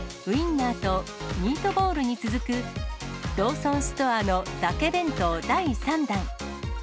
ウインナーとミートボールに続く、ローソンストアのだけ弁当第３弾。